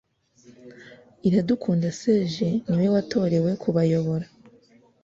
Iradukunda Serge niwe watorewe kubayobora